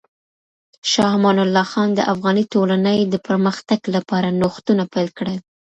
شاه امان الله خان د افغاني ټولنې د پرمختګ لپاره نوښتونه پیل کړل.